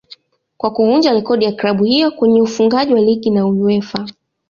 kwa kuvunja rekodi ya club hiyo kwenye ufungaji wa ligi na Uefa